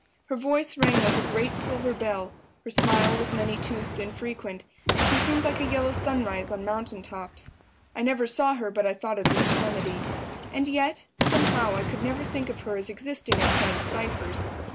Her voice rang like a great silver bell; her smile was many toothed and frequent; she seemed like a yellow sunrise on mountain tops. I never saw her but I thought of the Yosemite. And yet, somehow, I could never think of her as existing outside of Cypher's.